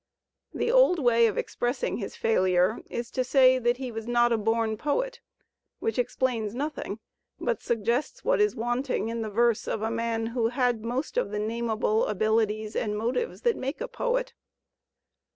The old way of expressing his failure is to say that he was not a bom poet, which explains nothing but suggests what is want ing in the verse of a man who had most of the namable abiUties and motives that make a poet.